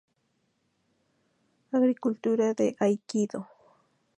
Arg. de Aikido.